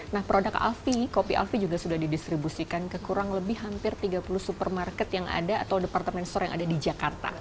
nah produk alfie kopi alfie juga sudah didistribusikan ke kurang lebih hampir tiga puluh supermarket yang ada atau departemen store yang ada di jakarta